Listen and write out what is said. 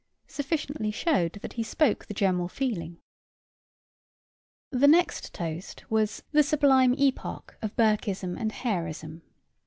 sufficiently showed that he spoke the general feeling. The next toast was "The sublime epoch of Burkism and Harism!"